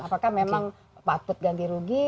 apakah memang patut ganti rugi